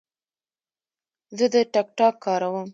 زه د ټک ټاک کاروم.